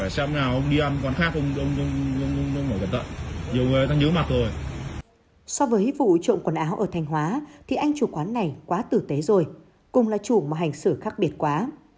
so với vụ trộm quần áo ở thanh hóa thì anh chủ quán này quá tử tế rồi cùng là chủ mà hành xử khác biệt quá